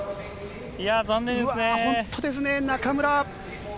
本当ですね、中村。